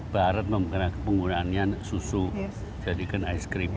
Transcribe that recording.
barat memperkenalkan penggunaannya susu jadikan es krim